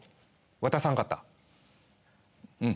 渡さんかったん？